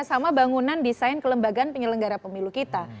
sama bangunan desain kelembagaan penyelenggara pemilu kita